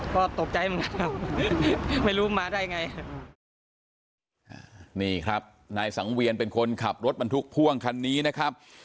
ก็ตกใจเหมือนกันครับไม่รู้มาได้ไงครับนี่ครับนายสังเวียนเป็นคนขับรถบรรทุกพ่วงคันนี้นะครับ